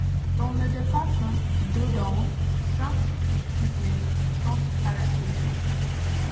Dans le département de Dordogne, cinq députés sont à élire.